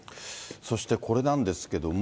そしてこれなんですけども。